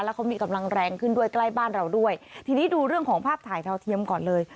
แล้วเขามีกำลังแรงขึ้นด้วยใกล้บ้านเราด้วยทีนี้ดูเรื่องของภาพถ่ายดาวเทียมก่อนเลย